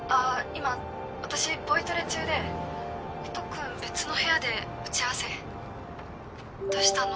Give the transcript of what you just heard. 今私ボイトレ中で☎音くん別の部屋で打ち合わせ☎どうしたの？